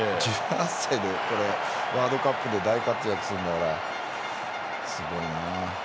１８歳でワールドカップで大活躍するってすごいな。